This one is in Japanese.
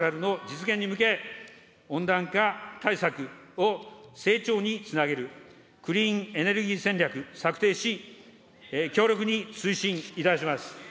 そして、２０５０年カーボンニュートラルの実現に向け、温暖化対策を成長につなげる、クリーンエネルギー戦略策定し、強力に推進いたします。